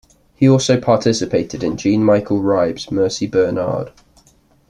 He also participated in Jean-Michel Ribes' "Merci Bernard".